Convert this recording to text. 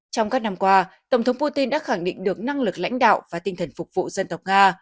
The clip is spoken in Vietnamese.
trong các năm qua tổng thống putin đã khẳng định được năng lực lãnh đạo và tinh thần phục vụ dân tộc nga